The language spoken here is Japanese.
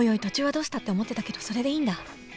途中はどうしたって思ってたけどそれでいいんだ